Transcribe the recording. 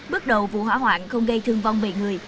bước đầu vụ hỏa hoạn không gây thương vong về người